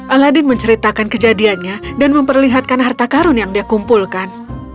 aladin menceritakan kejadiannya dan memperlihatkan harta karun yang dia kumpulkan